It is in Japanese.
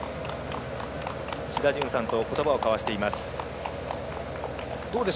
志田さんとことばを交わしています。